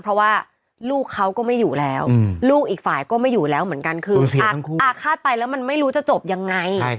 เพราะว่าลูกเขาก็ไม่อยู่แล้วลูกอีกฝ่ายก็ไม่อยู่แล้วเหมือนกันคืออาฆาตไปแล้วมันไม่รู้จะจบยังไง